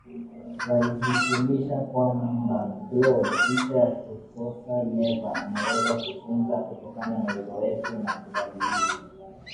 walihitimisha kwamba Blob licha ya kukosa neva anaweza kujifunza kutokana na uzoefu na kubadilisha